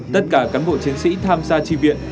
tất cả cán bộ chiến sĩ tham gia tri viện